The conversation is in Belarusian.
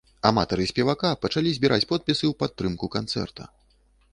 Аматары спевака пачалі збіраць подпісы ў падтрымку канцэрта.